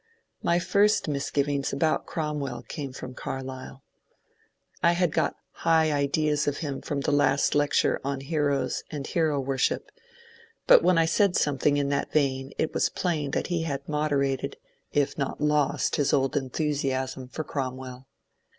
My first misgivings about Cromwell came from Carlyle. I had got high ideas of him from the last lecture on " Heroes and Hero Worship," but when I said something in that vein it was plain that he had moder ated if not lost his old enthusiasm for Cromwell.